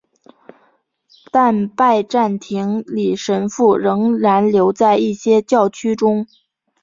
但拜占庭礼神父仍然留在一些教区中。